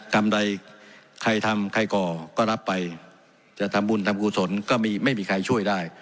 กรรมใดใครทำใครก่อก็รับไปจะทำบุญทำกุศลก็ไม่มีใครช่วยได้